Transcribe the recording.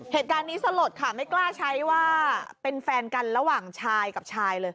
เหตุการณ์นี้สลดค่ะไม่กล้าใช้ว่าเป็นแฟนกันระหว่างชายกับชายเลย